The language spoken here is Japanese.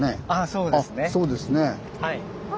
そうですね。